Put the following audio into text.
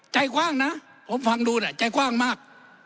ใจกว้างนะผมฟังดูเนี่ยใจกว้างมาก